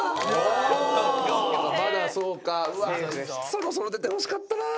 そろそろ出てほしかったな！